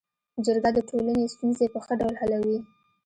جرګه د ټولني ستونزي په ښه ډول حلوي.